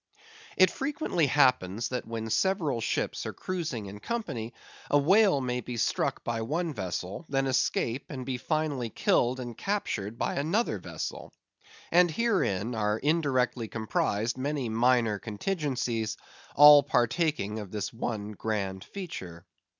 It frequently happens that when several ships are cruising in company, a whale may be struck by one vessel, then escape, and be finally killed and captured by another vessel; and herein are indirectly comprised many minor contingencies, all partaking of this one grand feature.